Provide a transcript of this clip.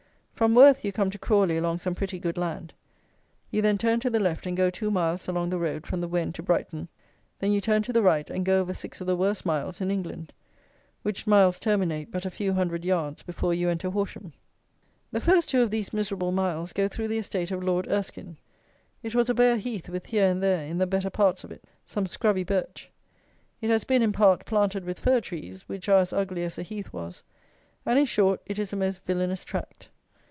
From Worth you come to Crawley along some pretty good land; you then turn to the left and go two miles along the road from the Wen to Brighton; then you turn to the right, and go over six of the worst miles in England, which miles terminate but a few hundred yards before you enter Horsham. The first two of these miserable miles go through the estate of Lord Erskine. It was a bare heath, with here and there, in the better parts of it, some scrubby birch. It has been, in part, planted with fir trees, which are as ugly as the heath was: and, in short, it is a most villanous tract.